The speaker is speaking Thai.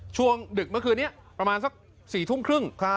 ดึกเมื่อคืนนี้ประมาณสัก๔ทุ่มครึ่ง